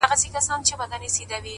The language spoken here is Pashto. شراب لس خُمه راکړه; غم په سېلاب راکه;